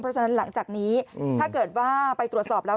เพราะฉะนั้นหลังจากนี้ถ้าเกิดว่าไปตรวจสอบแล้ว